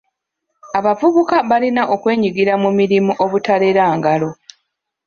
Abavubuka balina okwenyigira mu mirimu obutalera ngalo.